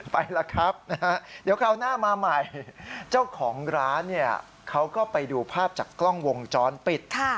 ไปแล้วครับนะฮะเดี๋ยวคราวหน้ามาใหม่เจ้าของร้านเนี่ยเขาก็ไปดูภาพจากกล้องวงจรปิด